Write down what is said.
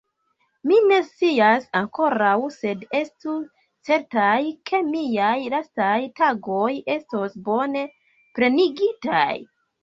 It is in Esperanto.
Mi ne scias ankoraŭ; sed estu certaj, ke miaj lastaj tagoj estos bone plenigitaj.